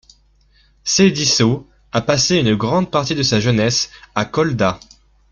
Seydi Sow a passé une grande partie de sa jeunesse à Kolda.